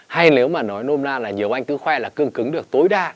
hay nếu mà nói nôm la là nhiều anh cứ khoe là cương cứng được tối đa